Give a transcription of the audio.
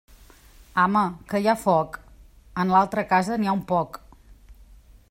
Ama, que hi ha foc? En l'altra casa n'hi ha un poc.